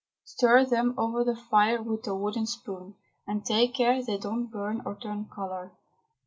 Stir them over the fire with a wooden spoon, and take care they don't burn or turn colour.